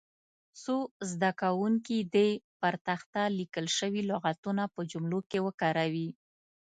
څو زده کوونکي دې پر تخته لیکل شوي لغتونه په جملو کې وکاروي.